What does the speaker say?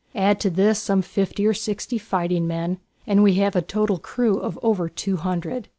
Add to this some fifty or sixty fighting men and we have a total crew of over two hundred.